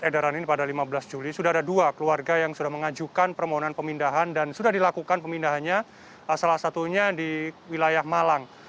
dan sudah dilakukan pemindahannya salah satunya di wilayah malang